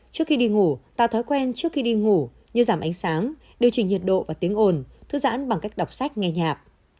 trước khi đi ngủ tạo thói quen trước khi đi ngủ như giảm ánh sáng điều chỉnh nhiệt độ và tiếng ồn thư giãn bằng cách đọc sách nghe nhạc